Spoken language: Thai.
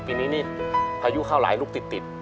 ปีนี้นี่พายุเข้าหลายลูกติด